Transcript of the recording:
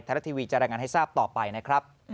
รัฐทีวีจะรายงานให้ทราบต่อไปนะครับ